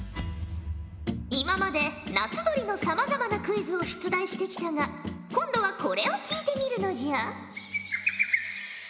今まで夏鳥のさまざまなクイズを出題してきたが今度はこれを聞いてみるのじゃ。